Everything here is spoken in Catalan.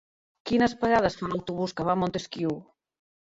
Quines parades fa l'autobús que va a Montesquiu?